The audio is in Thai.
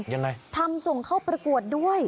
ยังไงทำส่งเข้าประกวดด้วย